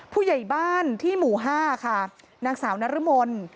ผู้ใหญ่บ้านที่หมู่๕ค่ะนางสาวนรมน